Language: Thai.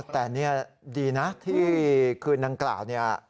แต่นี่ดีนะที่คืนดังกล่าวเนี่ย